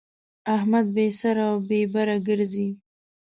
احمد بې سره او بې بره ګرځي.